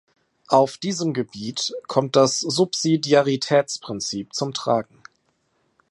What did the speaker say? Auf diesem Gebiet kommt das Subsidiaritätsprinzip zum Tragen.